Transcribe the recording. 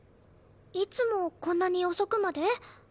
いつもこんなに遅くまで？